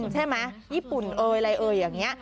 ใช่มั้ยญี่ปุ่นเอออะไรเอออย่างเงี้ย